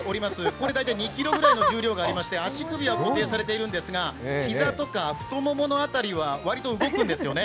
これは大体２ｋｇぐらいの重量がありまして足首は固定されているんですが膝とか太ももの辺りは、割と動くんですよね。